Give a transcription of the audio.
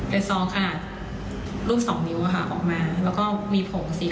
ไปสองข้างหลังนะคะแต่ข้างหลังไม่ได้มีของอะไรเลย